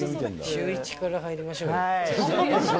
シューイチから入りましょう５